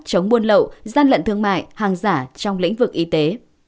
chống buôn lậu gian lận thương mại hàng giả trong lĩnh vực y tế